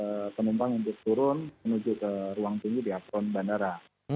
jadi penumpang untuk turun menuju ke ruang tinggi di apron bandara